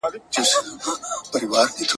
کشپ نه لري داهسي کمالونه `